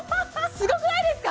すごくないですか？